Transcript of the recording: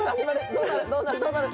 どうなる？